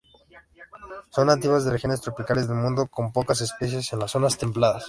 Son nativas de regiones tropicales del mundo, con pocas especies en las zonas templadas.